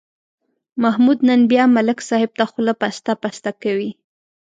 محمود نن بیا ملک صاحب ته خوله پسته پسته کوي.